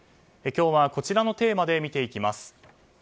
今日はこちらのテーマで見ていきます。